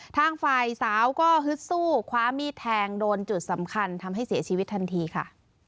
ทางฝ่ายสาวก็ฮึดสู้คว้ามีดแทงโดนจุดสำคัญทำให้เสียชีวิตทันทีค่ะ